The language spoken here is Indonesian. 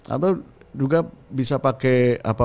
atau juga bisa pakai